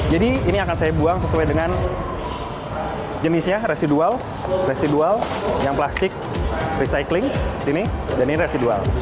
jadi ini akan saya buang sesuai dengan jenisnya residual residual yang plastik recycling ini dan ini residual